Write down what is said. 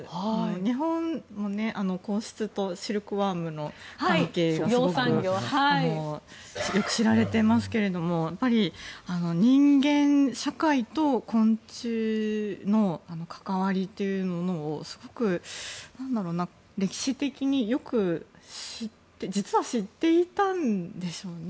日本も皇室とシルクワームの関係でそれがよく知られていますけど人間社会と昆虫の関わりというものをすごく、歴史的に実は知っていたんでしょうね。